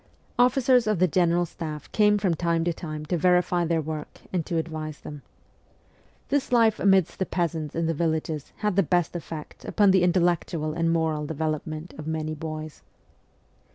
Officers of the General Staff came from time to time to verify their work and to advise them. This life amidst THE COUPS OF PAGES 145 the peasants in the villages had the best effect upon the intellectual and moral development of many boys.